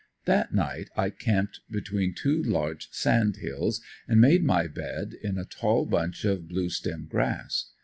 That night I camped between two large sand hills and made my bed in a tall bunch of blue stem grass.